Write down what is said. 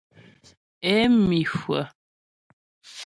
Ě mi hwə̂.